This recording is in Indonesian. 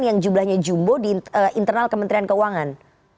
yang jumlahnya jumbo di internal kementerian keuangan